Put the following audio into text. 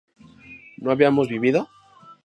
¿no habíamos vivido?